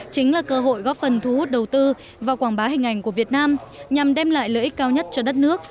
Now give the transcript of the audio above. chính là cơ hội góp phần thu hút đầu tư và quảng bá hình ảnh của việt nam nhằm đem lại lợi ích cao nhất cho đất nước